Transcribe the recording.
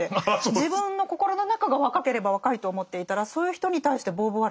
自分の心の中が若ければ若いと思っていたらそういう人に対してボーヴォワール